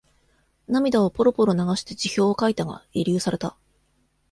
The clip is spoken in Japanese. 涙をポロポロ流して辞表を書いたが、慰留された。